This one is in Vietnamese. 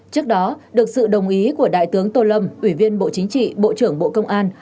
trước đó được sự đồng ý của đại tướng tô lâm ủy viên bộ chính trị bộ trưởng bộ công an